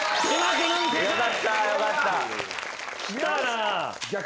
きたなぁ。